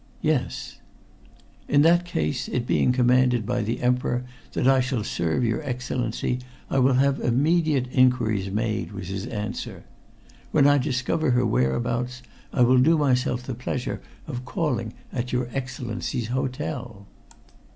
"Yes." "In that case, it being commanded by the Emperor that I shall serve your Excellency, I will have immediate inquiries made," was his answer. "When I discover her whereabouts, I will do myself the pleasure of calling at your Excellency's hotel."